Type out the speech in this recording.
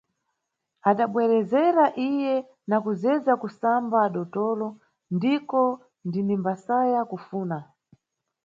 Adabwerezera iye, na kuzeza kusamba adotolo, ndiko ndinimbasaya kufuna.